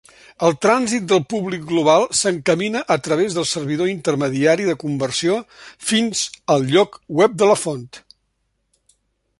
El trànsit del públic global s'encamina a través del servidor intermediari de conversió fins al lloc web de la font.